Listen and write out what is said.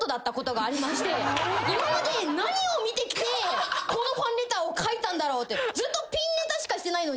今まで何を見てきてこのファンレターを書いたんだろうって。